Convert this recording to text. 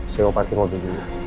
saya mau parkir mobil dulu